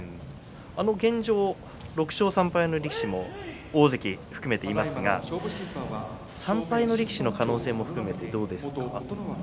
現状、６勝３敗の力士も大関含めていますが３敗の力士も可能性も含めて、どうですか。